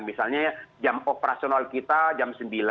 misalnya jam operasional kita jam sembilan